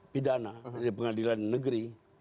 pidana di pengadilan negeri